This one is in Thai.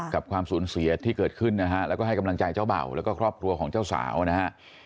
ความสูญเสียที่เกิดขึ้นนะฮะแล้วก็ให้กำลังใจเจ้าเบ่าแล้วก็ครอบครัวของเจ้าสาวนะฮะ